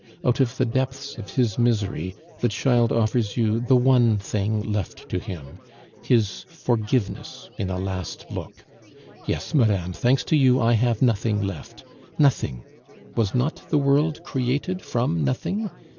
Out of the depths of his misery the child offers you the one thing left to him his forgiveness in a last look. Yes, madame, thanks to you, I have nothing left. Nothing! was not the world created from nothing?